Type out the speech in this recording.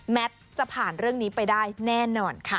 จะผ่านเรื่องนี้ไปได้แน่นอนค่ะ